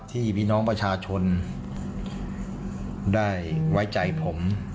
พี่น้องประชาชนได้ไว้ใจผม